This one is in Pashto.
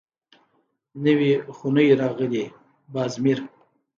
_نوي خو نه يو راغلي، باز مير.